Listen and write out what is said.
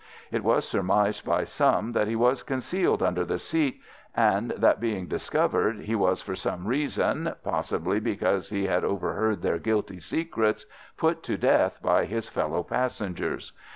It was surmised, by some, that he was concealed under the seat, and that, being discovered, he was for some reason, possibly because he had overheard their guilty secrets, put to death by his fellow passengers.